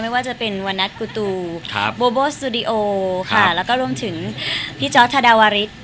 ว่าจะเป็นวันนัทกูตูโบโบสตูดิโอค่ะแล้วก็รวมถึงพี่จอร์ดธดาวาริส